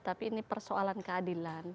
tapi ini persoalan keadilan